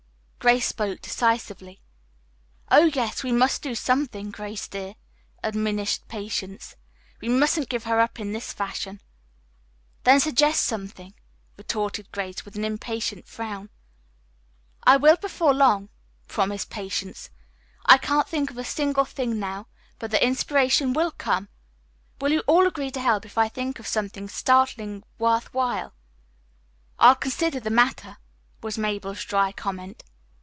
Grace spoke decisively. "Oh, yes, we must do something, Grace dear," admonished Patience. "We mustn't give her up in this fashion." "Then, suggest something," retorted Grace with an impatient frown. "I will before long," promised Patience. "I can't think of a single thing now, but the inspiration will come. Will you all agree to help if I think of something startlingly worth while?" "I'll consider the matter," was Mabel's dry comment.